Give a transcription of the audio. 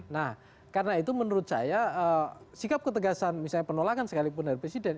nah karena itu menurut saya sikap ketegasan misalnya penolakan sekalipun dari presiden